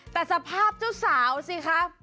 แต่สภาพเจ้าสาวสิคะ